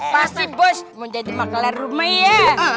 pasti bos mau jadi makelar rumah ya